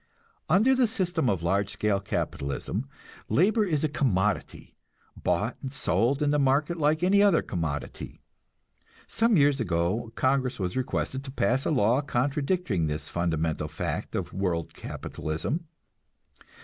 Under the system of large scale capitalism, labor is a commodity, bought and sold in the market like any other commodity. Some years ago Congress was requested to pass a law contradicting this fundamental fact of world capitalism.